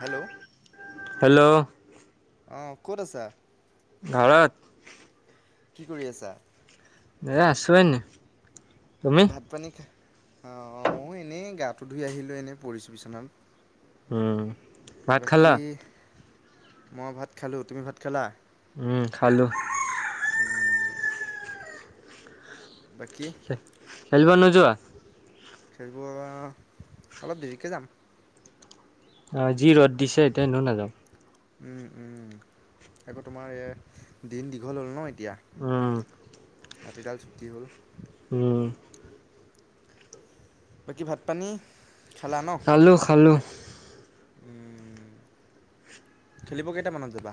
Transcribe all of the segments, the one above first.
Hello hello অ', ক'ত আছা? ভাৰত কি কৰি আছা? এ! আছোঁ এনে। তুমি ভাত পানী খাই, অ', অ' মইয়ো এনেই গাটো ধুই আহিলো। এনেই পৰিছো বিচনাত। উ'ম। ভাত খালা বাকী মই ভাত খালো। তুমি ভাত খালা? উম খালোঁ। উম, বাকী খেলিব নোযোৱা? খেলিব, অলপ দেৰিকে যাম। অ', যি ৰ'দ দিছে এতিয়া এনেও নাযাওঁ? উ'ম, উ'ম আকৌ তোমাৰ এ! দিন দীঘল হ'ল ন। উম ৰাতিডাল ছুটি হ'ল। হুম। বাকী ভাত পানী? খালা ন খালোঁ, খালোঁ। উ'ম, খেলিব কেইটামানত যাবা?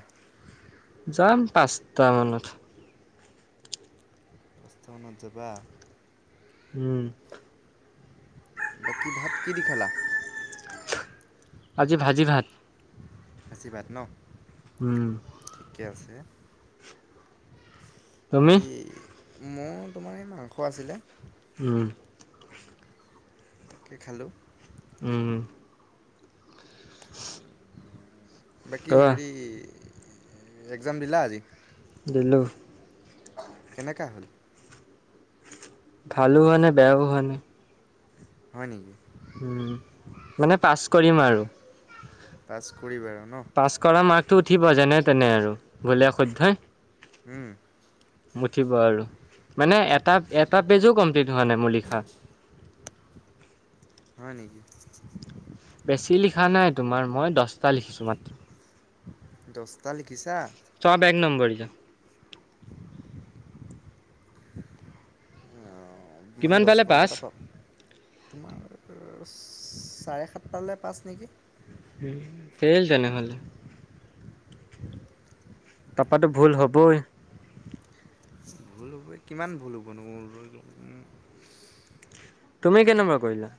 যাম পাঁচটামানত। দহটা মানত যাবা? উম। বাকী ভাত কি দি খালা? আজি ভাজি ভাত। ভাজি ভাত ন। উম। ঠিকে আছে। তুমি হেৰি, মোৰ তোমাৰ এই মাংস আছিলে। উ'ম। তাকে খালোঁ। উম। বাকী কোৱা হেৰি, এক্জাম দিলা আজি? দিলো। কেনেকোৱা হ'ল? ভালো হোৱা নাই, বেয়াও হোৱা নাই। হয় নেকি? উম মানে পাছ কৰিম আৰু। পাছ কৰিবা আৰু ন। টো উঠিব যেনে তেনে আৰু ভূলে শুদ্ধই। উম। মুঠিব আৰু মানে ঠিক এটা, এটা পেজো কম স্পিড হোৱা নাই মোৰ লিখা। হয় নেকি। বেছি লিখা নাই, তোমাৰ মই দছটা লিখিছোঁ মাত্ৰ। দছটা লিখিছা? চব এক নম্বৰীয়া অ', মানে কিমান দছ পালে নম্বৰত পাছ এটা পাওঁ, তোমাৰ চাৰে সাতটা পালে পাছ নেকি? সেই, তেনেহ'লে। তাৰপৰাতো ভুল হ'বই। ভুল কিমান ভুল হ'ব মোৰ [inaudible] তুমি কেনেকোৱা কৰিলা?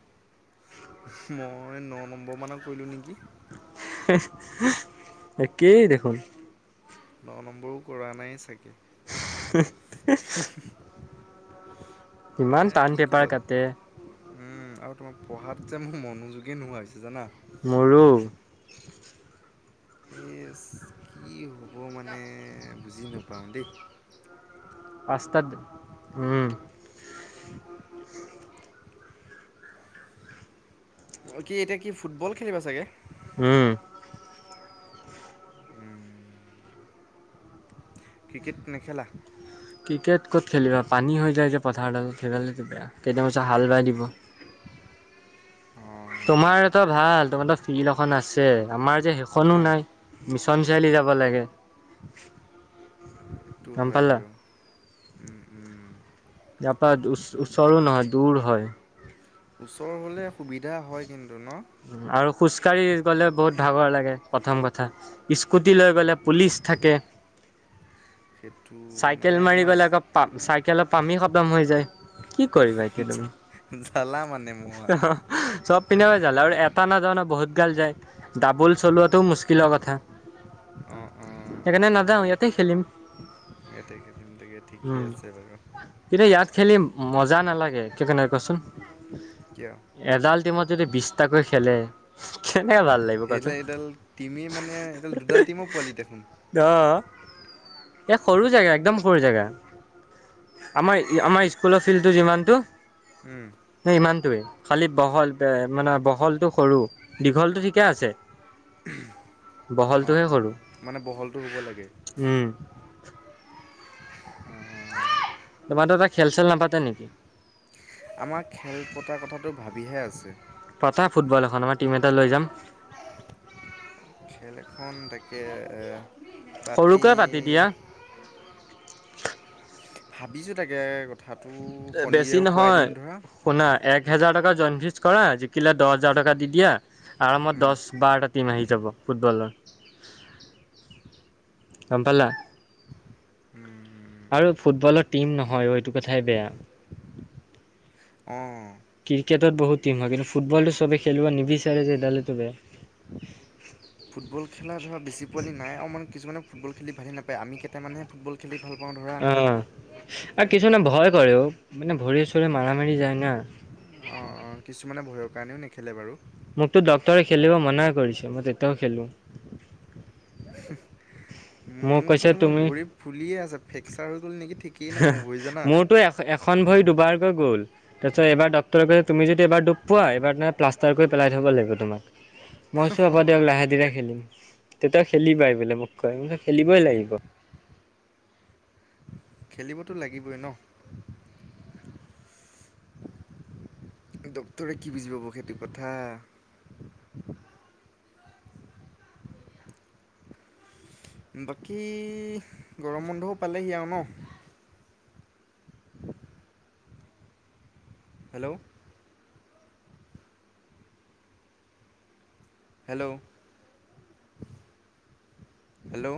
মই ন নম্বৰ মানৰ কৰিলোঁ নেকি। একেই দেখোন। ন নম্বৰও কৰা নাই চাগে। [unintelligible] ইমান এ টান কি ক'বা পেপাৰ কাটে। উম আৰু তোমাৰ পঢ়াত যে মোৰ মনোযোগে নোহোৱা হৈছে জানা। মোৰো। এ কি হ'ব মানে বুজি নাপাও দেই। পাচতা উ। অ', কি এতিয়া কি ফুটবল খেলিবা চাগে। উম। ক্ৰিকেট নেখেলা ক্ৰিকেট ক'ত খেলিবা পানী হৈ যায় যে পথাৰডাল খেইডালতো বেয়া কেইদিনমানৰ পাছত হাল বাই দিব। [inaudible] অঁ তোমাৰটা ভাল তোমাৰো ফিল্ড এখন আছে আমাৰ যে সেইখনো নাই। মিছন চাৰিআলি যাব লাগে। সেইটো গম হয় পালা বাৰু। উম উম ইয়াৰপৰা ওচৰো নহয় দূৰ হয়। ওচৰ হ'লে সুবিধা হয় কিন্তু। ন? আৰু খু খোজকাঢ়ি গ'লে বহুত ভাগৰ লাগে প্ৰথম কথা, স্কুটি লৈ গ'লে পুলিচ থাকে। হয়। চাইকেল মাৰি গ'লে আকৌ প চাইকেলৰ পামে খতম হৈ যায়। কি কৰিবা এতিয়া তুমি জ্বালা মানে ম চব পিনে জালা আৰু এটা নাযায় ন বহুত গাল যায়, ডাবল চলোৱাটো মুস্কিলৰ কথা। অঁ অঁ সেইকাৰণে সেইটো নাযাওঁ হয়। ইয়াতে খেলিম। ইয়াতে খেলিম তাকে ঠিকেই উম, আছে বাৰু। এতিয়া ইয়াত খেলি মজা নালাগে, কি কাৰণে কোৱাচোন? কিয় এডাল টিমত যদি বিশটাকৈ খেলে ভাল লাগিব কচোন সেইডালে এডাল টিমেই মানে এইডাল দুডাল টিমো পোৱালি দেখোন। এ সৰু জেগা একদম সৰু জেগা। আমাৰ আমাৰ স্কুলৰ ফিল্ডটো যিমানটো উম স ইমানটোৱে খালি বহল মানে বহলটো সৰু, দীঘলটো ঠিকে আছে। অঁ বহলটোহে অঁ কৰোঁ। মানে বহলটো লাগে তোমাৰো এটা খেল চেল নাপাতে নেকি? আমাৰ খেল পতাৰ কথাটো ভাবিহে আছে। পাতা ফুটবল এখন আমাৰ টিম এটা লৈ যাম। খেল এখন তাকে সৰুকৈ পাতি দিয়া। ভাবিছো তাকে। কথাটো বেছি শনিদেও কোৱাই নহয় দিম ধৰা শুনা এক হেজাৰ টকা জইনফিছ কৰা জিকিলা দহ হাজাৰ টকা দি দিয়া। আৰামত উম, দহ বাৰটা টিম আহি যাব ফুটবলৰ। [inaudible] গম পালা। উম, আৰু ফুটবলৰ টীম নহয় এইটো কথাই বেয়া। অঁ ক্ৰিকেটত বহুত টিম হয় কিন্তু ফুটবলটো চবেই খেলিব নিবিচাৰে যে এইডালেত বে [inaudible] খেলা ধৰা বেছি পোৱালি নাই আৰু মানে কিছুমানে ফুটবল খেলি ভালেই নাপায় আমি কেইটামানহে ফুটবল খেলি ভাল পাওঁ ধৰা। অ আৰু কিছুমান ভয় কৰেও মানে ভৰি চৰি মাৰা মাৰি যায় না। অ', কিছুমানে ভয়ৰ কাৰণেও নেখেলে বাৰু। মোকতো ডক্টৰে খেলিব মানা কৰিছে মই তেতিয়াও খেলো। [unintelligible] মোৰতো তোমাৰ তুমি ভৰি ফুলিয়ে আছে, ফ্ৰেকচাৰ হৈ গ'ল নেকি ঠিক [unintelligible] মোৰতো এখ এখন ভৰি দুবাৰকৈ গ'ল, তাৰপিছত এইবাৰ ডক্তৰে কৈছে তুমি যদি এবাৰ দুখ পোৱা এবাৰ প্লাষ্টাৰ কৰি পেলাই থ'ব লাগিব তোমাক। মই চোন আগতে লাহে ধিৰে খেলো, তেতিয়া খেলিবাই বোলে মোক কয় খেলিবই লাগিব। খেলিবতো লাগিবই ন। ডাক্তৰে কি বুজি পাব সেইটো কথা। বাকী, গৰম বন্ধও পালেহি আৰু ন? হেল্ল'। হেল্ল'। হেল্ল'।